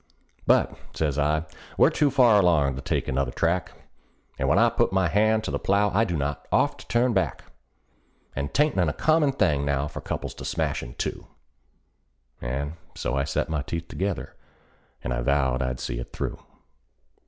"But," says I, "we're too far along to take another track, And when I put my hand to the plow I do not oft turn back; And 'tain't an uncommon thing now for couples to smash in two;" And so I set my teeth together, and vowed I'd see it through.